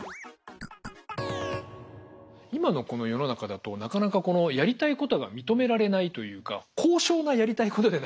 今のこの世の中だとなかなかやりたいことが認められないというか。